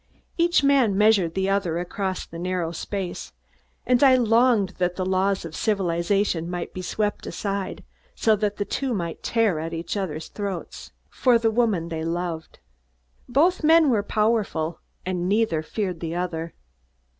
Each man measured the other across the narrow space, and I longed that the laws of civilization might be swept aside so that the two might tear at each other's throats, for the woman they loved. Both men were powerful, and neither feared the other.